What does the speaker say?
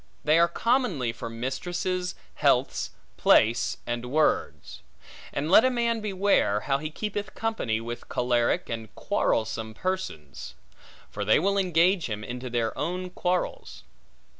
They are commonly for mistresses, healths, place, and words. And let a man beware, how he keepeth company with choleric and quarrelsome persons; for they will engage him into their own quarrels.